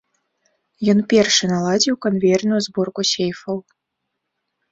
Ён першы наладзіў канвеерную зборку сейфаў.